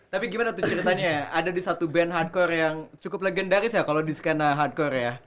tapi gimana tuh ceritanya ada di satu band hardcore yang cukup legendaris ya kalau di skena hardcore ya